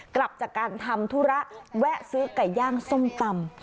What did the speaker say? กลับจากการทำธุระแวะซื้อไก่ย่างส้มตำ